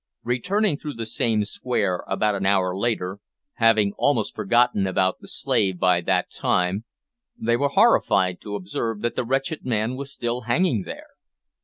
Returning through the same square about an hour later, having almost forgotten about the slave by that time, they were horrified to observe that the wretched man was still hanging there.